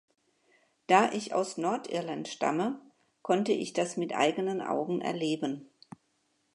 Da ich aus Nordirland stamme, konnte ich das mit eigenen Augen erleben.